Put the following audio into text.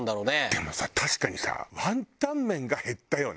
でもさ確かにさワンタン麺が減ったよね。